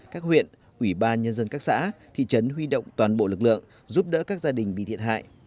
các huyện ủy ban nhân dân các xã thị trấn huy động toàn bộ lực lượng giúp đỡ các gia đình bị thiệt hại